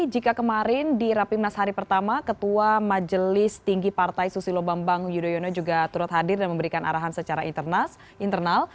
jika kemarin di rapimnas hari pertama ketua majelis tinggi partai susilo bambang yudhoyono juga turut hadir dan memberikan arahan secara internal